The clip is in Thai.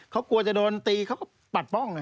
เขากลัวจะโดนตีเขาก็ปัดป้อง